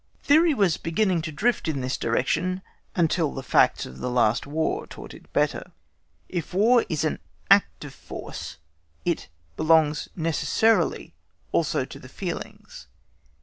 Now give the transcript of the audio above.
Theory was beginning to drift in this direction until the facts of the last War(*) taught it better. If War is an act of force, it belongs necessarily also to the feelings.